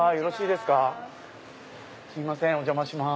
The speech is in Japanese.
すいませんお邪魔します。